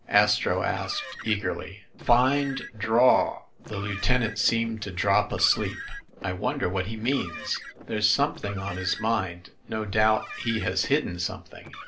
Astro asked eagerly. "Find draw ‚ÄĒ " The lieutenant seemed to drop asleep. "I wonder what he means? There's something on his mind. No doubt he has hidden something."